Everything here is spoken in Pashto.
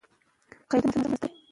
زه هره ورځ انلاین زده کړه کوم.